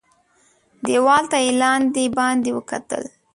دېوال ته یې لاندي باندي وکتل .